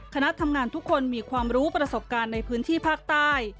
คณะทำงานทุกคนมีความรู้ประสบการณ์ในพื้นที่ภาคใต้